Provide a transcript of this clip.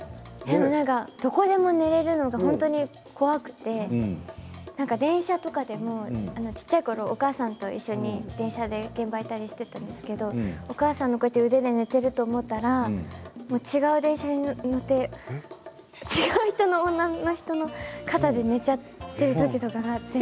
どこでも寝られるのが本当に怖くて電車とかでも小っちゃいころお母さんと一緒に電車で現場に行ったりしていたんですけれどお母さんの腕で寝ていると思ったら違う電車に乗って違う女の人の肩で寝ていた時とかあって。